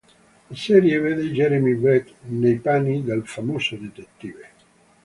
La serie vede Jeremy Brett nei panni del famoso detective.